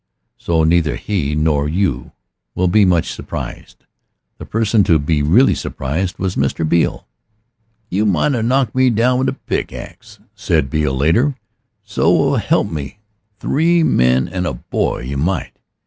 So neither he nor you will be much surprised. The person to be really surprised was Mr. Beale. "You might a knocked me down with a pickaxe," said Beale later, "so help me three men and a boy you might.